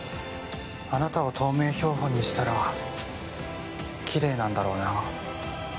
あなたを透明標本にしたら奇麗なんだろうな。